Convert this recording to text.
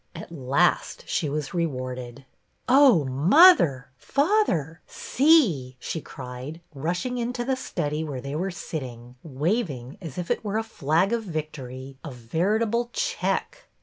At last she was rewarded. Oh, mother, father, see !" she cried, rushing into the study where they were sitting, waving, as if it were a flag of victory, a veritable check.